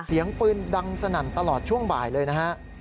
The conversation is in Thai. เสียงปืนดังสนั่นตลอดช่วงบ่ายเลยนะฮะ